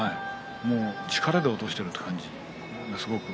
力で落としているという感じ。